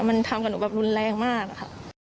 มันทำกับหนูแบบรุนแรงมากอะค่ะ